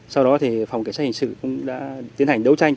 sau đó thì phòng cảnh sát hình sự cũng đã tiến hành đấu tranh